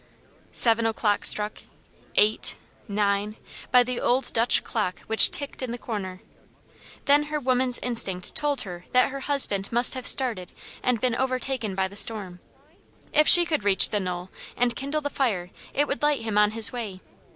Seven o'clock struck eight nine by the old Dutch clock which ticked in the corner. Then her woman's instinct told her that her husband must have started and been overtaken by the storm. If she could reach the knoll and kindle the fire it would light him on his way.